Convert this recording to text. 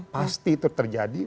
pasti itu terjadi